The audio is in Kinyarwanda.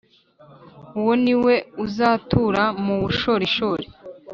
Uwo ni we uzatura mu bushorishori,